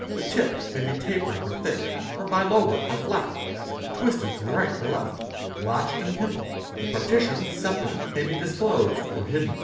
: The tip may be tapering, or thick, or bi lobar, or flat; twisted to — right or left; blotched and pimpled. The partition (septum) may be disclosed or hidden.